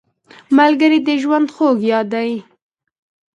ملګری د ژوند خوږ یاد دی